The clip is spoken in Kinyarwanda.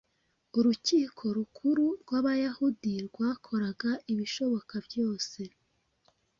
Urukiko rukuru rw’Abayahudi rwakoraga ibishoboka byose